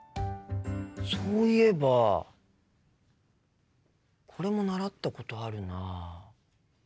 そういえばこれも習ったことあるな。